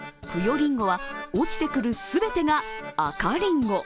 りんごは、落ちてくる全てが赤りんご。